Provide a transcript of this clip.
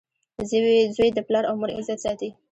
• زوی د پلار او مور عزت ساتي.